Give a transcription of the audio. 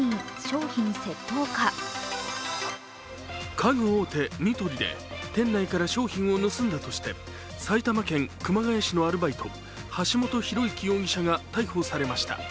家具大手・ニトリで店内から商品を盗んだとして埼玉県熊谷市のアルバイト、橋本寛之容疑者が逮捕されました。